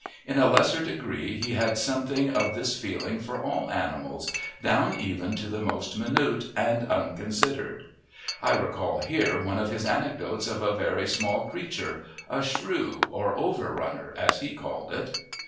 In a lesser degree he had something of this feeling for all animals, down even to the most minute and unconsidered. I recall here one of his anecdotes of a very small creature a shrew, or over runner, as he called it.